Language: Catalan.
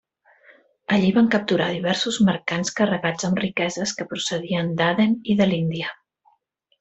Allí van capturar diversos mercants carregats amb riqueses que procedien d'Aden i de l'Índia.